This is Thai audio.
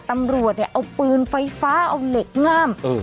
ตำรวจเนี่ยเอาปืนไฟฟ้าเอาเหล็กง่าม